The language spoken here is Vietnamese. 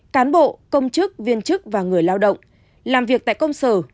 cán bộ công chức viên chức và người lao động làm việc tại công sở